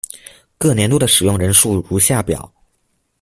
各年度的使用人数如下表。